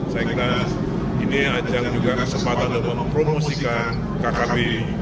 saya kira ini ajang juga kesempatan untuk mempromosikan kkp